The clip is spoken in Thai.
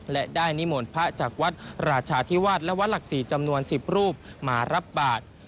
และได้นิมนต์พระจากวัดราชาธิวาสและวัดหลักศรีจำนวน๑๐รูปมารับบาท